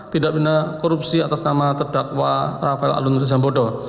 tindak bina korupsi atas nama terdakwa rafael alun trisambodo